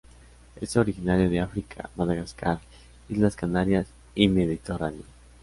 Es originario de África, Madagascar, Islas Canarias y Mediterráneo.